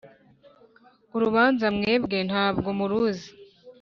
urubanza mwebwe ntabwo muruzi